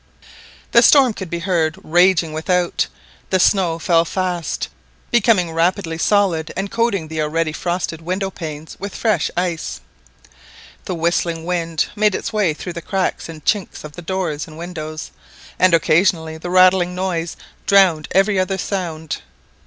The storm could be heard raging without, the snow fell fast, becoming rapidly solid and coating the already frosted window panes with fresh ice. The whistling wind made its way through the cranks and chinks of the doors and windows, and occasionally the rattling noise drowned every other sound.